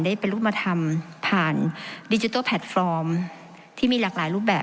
ได้เป็นรูปธรรมผ่านดิจิทัลแพลตฟอร์มที่มีหลากหลายรูปแบบ